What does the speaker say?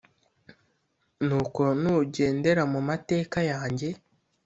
Nuko nugendera mu mateka yanjye